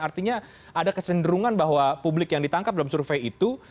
artinya ada kecenderungan bahwa publik yang ditangkap dalam survei itu